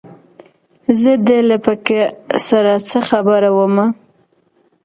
زه دې له پکه سره څه خبره ومه